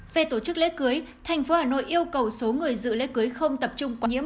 về tổ chức lễ cưới thành phố hà nội yêu cầu số người dự lễ cưới không tập trung nhiễm